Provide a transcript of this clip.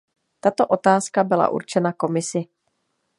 Tato otázka byla určena Komisi.